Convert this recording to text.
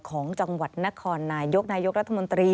ของจังหวัดนครนายกนายกรัฐมนตรี